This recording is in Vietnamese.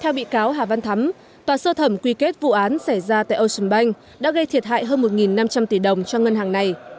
theo bị cáo hà văn thắm tòa sơ thẩm quy kết vụ án xảy ra tại ocean bank đã gây thiệt hại hơn một năm trăm linh tỷ đồng cho ngân hàng này